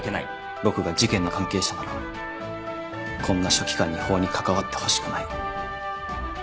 僕が事件の関係者ならこんな書記官に法に関わってほしくない。